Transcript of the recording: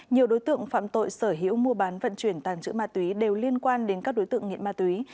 nhiều đối tượng phạm tội sở hữu mua bán vận chuyển tàn trữ ma túy đều liên quan đến các đối tượng nghiện ma túy